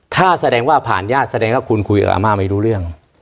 ถ้าแสดงว่าผ่านญาติแสดงว่าคุณคุยกับอาม่าไม่รู้เรื่อง